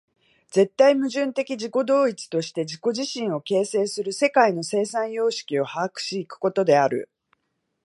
絶対矛盾的自己同一として自己自身を形成する世界の生産様式を把握し行くことである。